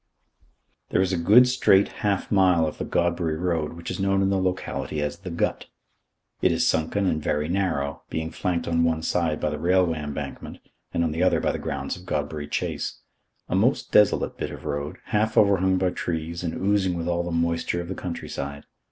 There is a good straight half mile of the Godbury Road which is known in the locality as "The Gut." It is sunken and very narrow, being flanked on one side by the railway embankment, and on the other by the grounds of Godbury Chase. A most desolate bit of road, half overhung by trees and oozing with all the moisture of the country side.